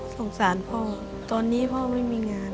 สงสารพ่อตอนนี้พ่อไม่มีงาน